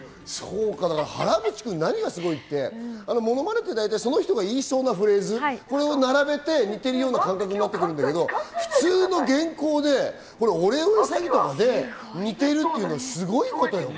原口君、何がすごいってものまねはその人が言いそうなフレーズ、それを並べて似てる感覚になるけど、普通の原稿で、オレオレ詐欺とかで、似てるっていうのはすごいことだよ。